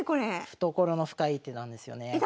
懐の深い一手なんですよねこれ。